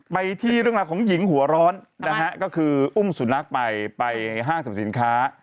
ไปที่เรื่องราวของหญิงหัวร้อนนะฮะก็คืออุ้มสุนัขไปไปห้างสรรพสินค้า